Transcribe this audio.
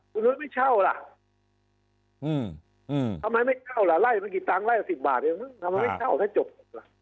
คุณไม่เช่าล่ะทำไมไม่เช่าล่ะไล่กี่ตังค์ไล่สิบบาทเนี่ยทำไมไม่เช่าถ้าจบล่ะ